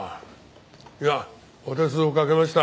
いやお手数をかけました。